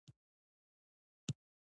اشر د یووالي او همکارۍ غوره بیلګه ده.